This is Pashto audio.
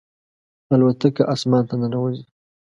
الوتکه اسمان ته ننوځي.